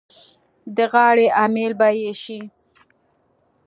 د غاړې امېل به یې شي.